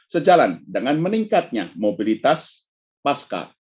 sejalan dengan meningkatnya mobilitas pasca